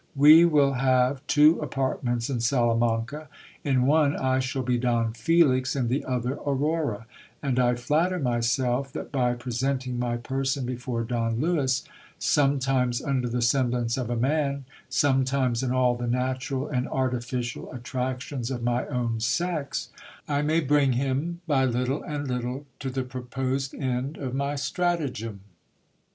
We will have two apartments in Salamanca. In one I shall be Don Felix, in the other, Aurora ; and I flatter myself that by presenting my person before Don Lewis, sometimes under the semblance of a man, sometimes in all the natural and ar tificial attractions of my own sex, I may bring him by little and little to the proposed end of my stratagem.